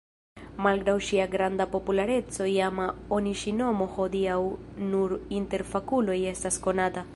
Malgraŭ ŝia granda populareco iama oni ŝi nomo hodiaŭ nur inter fakuloj estas konata.